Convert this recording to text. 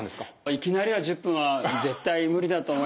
いきなりは１０分は絶対無理だと思います。